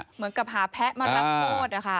เหมือนกับหาแพ้มารับโทษนะคะ